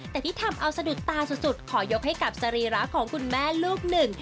แต่ที่ทำเอาสะดุดตาสุดขอยกให้กับสรีระของคุณแม่ลูกหนึ่ง